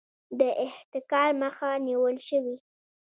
د احتکار مخه نیول شوې؟